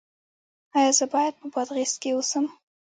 ایا زه باید په بادغیس کې اوسم؟